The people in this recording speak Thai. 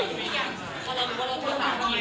หรือว่าหน่าแสวโซเชียลที่เราเคยไป